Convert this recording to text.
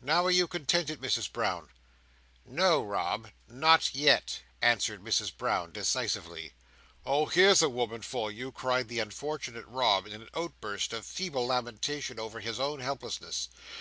Now, are you contented, Misses Brown?" "No, Rob. Not yet," answered Mrs Brown, decisively. "Oh, here's a woman for you!" cried the unfortunate Rob, in an outburst of feeble lamentation over his own helplessness.